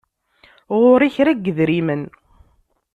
Ɣur-i kra n yedrimen.